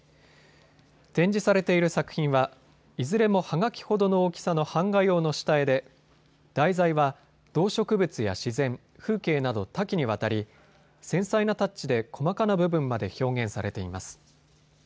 展示されている作品はいずれも、はがきほどの大きさの版画用の下絵で題材は、動植物や自然、風景など多岐にわたり繊細なタッチで細かな部分まで表現されています。